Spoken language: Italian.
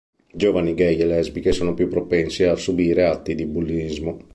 Giovani gay e lesbiche sono più propensi a subire atti di bullismo.